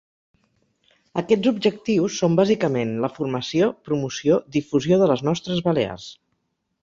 Aquests objectius són bàsicament la formació, promoció, difusió de les nostres balears.